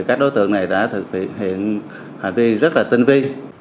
các đối tượng này đã thực hiện hành vi rất là tinh vi